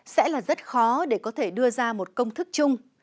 sẽ là rất khó để có thể đưa ra một công thức chung